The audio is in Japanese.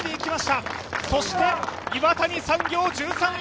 かそして岩谷産業１３位。